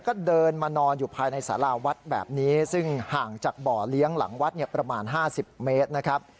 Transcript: ก็เดินมานอนอยู่ภายในสาราวัดแบบนี้ซึ่งห่างจากบ่อเลี้ยงหลังวัดประมาณ๕๐เมตรนะครับ